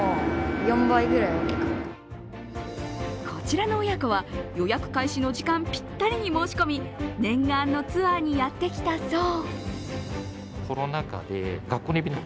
こちらの親子は、予約開始の時間ぴったりに申し込み念願のツアーにやってきたそう。